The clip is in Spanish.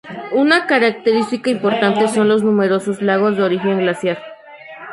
Una característica importante son los numerosos lagos de origen glaciar.